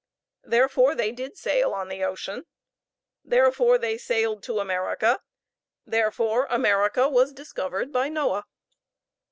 Therefore, they did sail on the ocean therefore, they sailed to America therefore, America was discovered by Noah!"